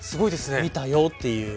見たよっていう。